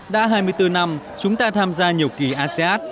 đã hai mươi bốn năm chúng ta tham gia nhiều kỳ asean